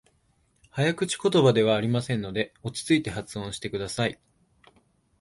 早口言葉ではありませんので、落ち着いて発音してください。